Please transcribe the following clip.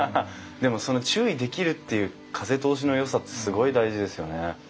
でもその注意できるっていう風通しのよさってすごい大事ですよね。